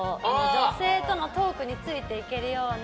女性とのトークについていけるような。